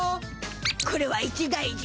これは一大事。